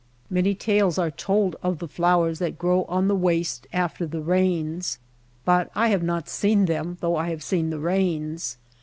Many tales are told of the flowers that grow on the waste after the rains, but I have not seen them though I have seen the rains.